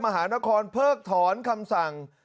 มหานครเพิกถอนคำสั่ง